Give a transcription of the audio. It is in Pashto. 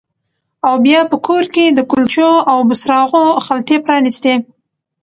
او بیا په کور کې د کلچو او بوسراغو خلطې پرانیستې